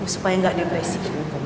supaya gak depresi